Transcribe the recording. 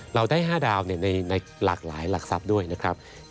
เราได้๕ดาวในหลากหลายหลักทรัพย์ด้วยนะครับ